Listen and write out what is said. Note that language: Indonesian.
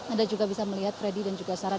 anda juga bisa melihat freddy dan juga sarah